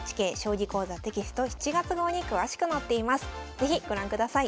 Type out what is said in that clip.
是非ご覧ください。